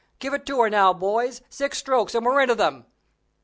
"Give it her now, boys; six strokes and we're into them."